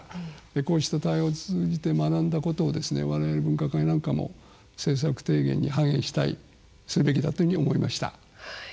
こうした対話を通じて学んだことを、我々分科会なども政策提言に反映したいするべきだと思いました。